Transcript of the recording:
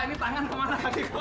ini tangan kemana kaki kemana